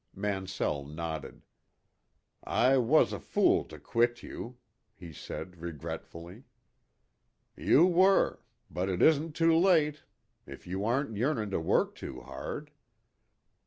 Mansell nodded. "I was a fool to quit you," he said regretfully. "You were. But it isn't too late. If you aren't yearning to work too hard."